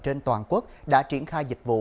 trên toàn quốc đã triển khai dịch vụ